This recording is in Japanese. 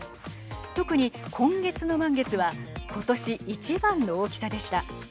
特に、今月の満月はことし一番の大きさでした。